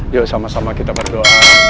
yuk sama sama kita berdoa